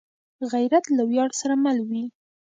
غیرت له ویاړ سره مل وي